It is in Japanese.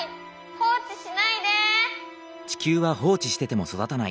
放置しないで。